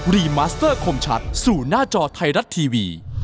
รีมัสเตอร์คมชัดสู่หน้าจอไทยรัฐทีวี